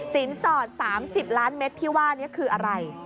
สอด๓๐ล้านเมตรที่ว่านี้คืออะไร